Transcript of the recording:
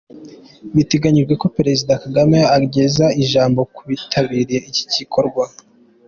Biteganyijwe ko Perezida Kagame ageza ijambo ku bitabiriye iki gikorwa.